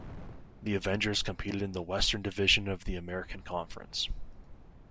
The Avengers competed in the Western Division of the American Conference.